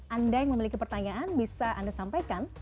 anda yang memiliki pertanyaan bisa anda sampaikan